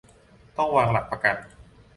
ต้องวางหลักประกัน